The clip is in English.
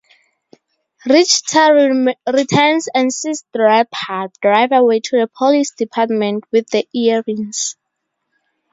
Richter returns and sees Draper drive away to the police department with the earrings.